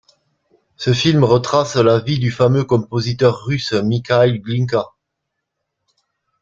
Ce film retrace la vie du fameux compositeur russe Mikhaïl Glinka.